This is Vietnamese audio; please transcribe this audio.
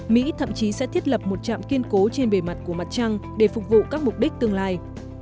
mỹ thậm chí sẽ thiết lập một trạm kiên cố trên bề mặt của mặt trăng để phục vụ các mục đích tương lai